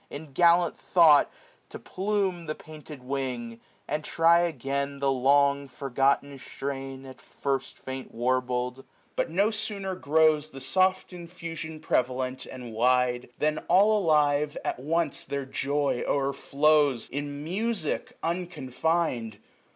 In gallant thought, to plume the painted wing ; And try again the long forgotten gtrain. At first faint warbled. But no sooner grows The soft infusion prevalent, and wide, 585 Than, all alive, at once their joy o'erflows In music unconfin*d.